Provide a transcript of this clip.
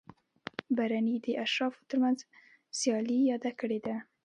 برني د اشرافو ترمنځ سیالي یاده کړې ده.